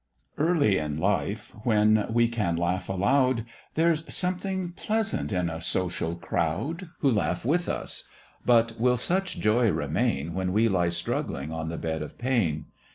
Early in life, when we can laugh aloud, There's something pleasant in a social crowd, Who laugh with us but will such joy remain When we lie struggling on the bed of pain?